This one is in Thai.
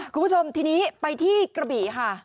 คุณผู้ชมทีนี้ไปที่กระบี่ค่ะ